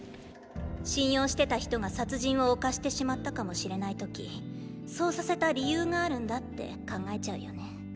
信用してた人が殺人を犯してしまったかもしれない時そうさせた理由があるんだって考えちゃうよね。